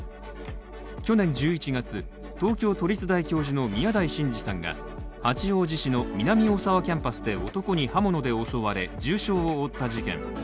去年１１月、東京都立大の教授宮台真司さんが八王子市の南大沢キャンパスで男に刃物で襲われ重傷を負った事件。